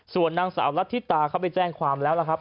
ส่วนนางสาวรัฐธิตาเขาไปแจ้งความแล้วล่ะครับ